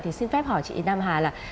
thì xin phép hỏi chị nam hà là